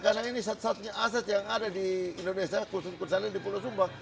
karena ini satu satunya aset yang ada di indonesia khusus kuda sendal di pulau sumba